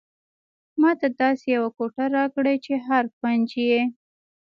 ماته داسې یوه کوټه راکړئ چې هر کونج یې.